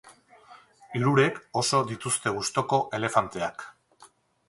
Hirurek oso dituzte gustoko elefanteak.